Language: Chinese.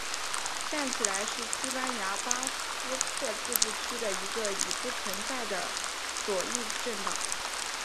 站起来是西班牙巴斯克自治区的一个已不存在的左翼政党。